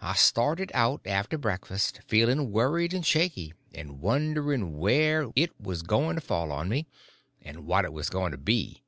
I started out, after breakfast, feeling worried and shaky, and wondering where it was going to fall on me, and what it was going to be.